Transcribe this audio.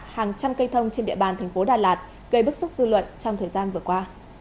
hàng trăm cây thông trên địa bàn thành phố đà lạt gây bức xúc dư luận trong thời gian vừa qua